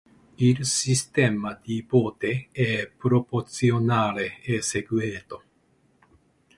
Il sistema di voto è proporzionale e segreto.